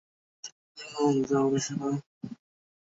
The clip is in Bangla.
আমাকে নিয়ে তোমার একটুও চিন্তা করতে হবে না, সোনা।